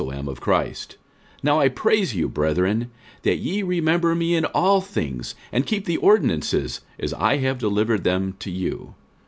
46:011:002 Now I praise you, brethren, that ye remember me in all things, and keep the ordinances, as I delivered them to you.